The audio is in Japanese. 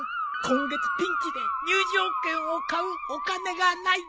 今月ピンチで入場券を買うお金がない。